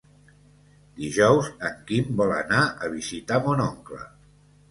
Dijous en Quim vol anar a visitar mon oncle.